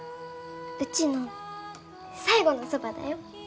うちの最後のそばだよ。